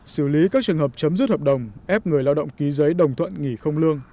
xử lý các trường hợp chấm dứt hợp đồng ép người lao động ký giấy đồng thuận nghỉ không lương